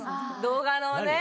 動画のね。